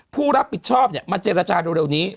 ผู้รับผิดชอบเนี่ยมาเจรจาโดยเร็วนี้